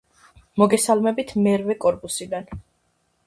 მოგესალმებით მერვე კორპუსიდან.